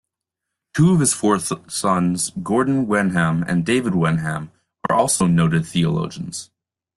Two of his four sons Gordon Wenham and David Wenham are also noted theologians.